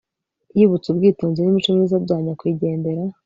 yibutse ubwitonzi n'imico myiza bya nyakwigendera